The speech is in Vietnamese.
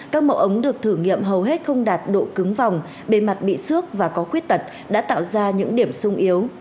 các mẫu ống được thử nghiệm hầu hết không đạt độ cứng vòng bề mặt bị xước và có khuyết tật đã tạo ra những điểm sung yếu